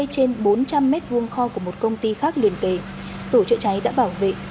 hai mươi trên bốn trăm linh mét vuông kho của một công ty khác liên kể tổ trợ cháy đã bảo vệ